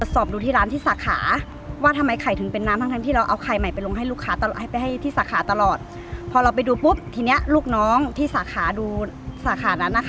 สอบดูที่ร้านที่สาขาว่าทำไมไข่ถึงเป็นน้ำทั้งทั้งที่เราเอาไข่ใหม่ไปลงให้ลูกค้าตลอดให้ไปให้ที่สาขาตลอดพอเราไปดูปุ๊บทีเนี้ยลูกน้องที่สาขาดูสาขานั้นนะคะ